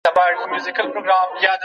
کارګر باید سالم او ځواکمن وي.